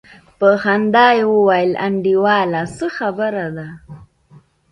په خندا يې وويل انډيواله څه خبره ده.